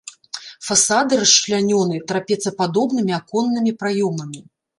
Фасады расчлянёны трапецападобнымі аконнымі праёмамі.